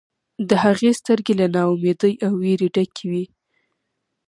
د هغې سترګې له نا امیدۍ او ویرې ډکې وې